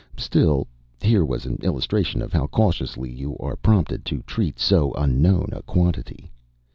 Still, here was an illustration of how cautiously you are prompted to treat so unknown a quantity.